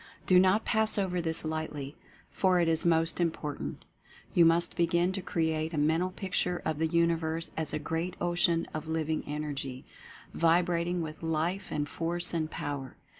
Do not pass over this lightly, for it is most important. You must begin to create a Mental Picture of the Universe as a Great Ocean of Living Energy, vibrat ing with Life and Force and Power.